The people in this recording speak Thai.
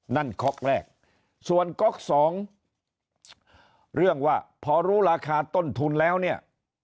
ก๊อกแรกส่วนก๊อกสองเรื่องว่าพอรู้ราคาต้นทุนแล้วเนี่ย